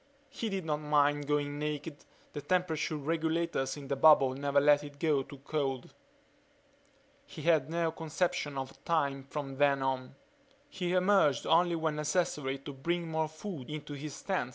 He did not mind going naked the temperature regulators in the bubble never let it get too cold. He had no conception of time from then on. He emerged only when necessary to bring more food into his tent.